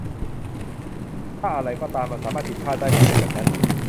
ถ้าอะไรก็ตามมันสามารถผิดพลาดได้ มันเป็นแบบนั้น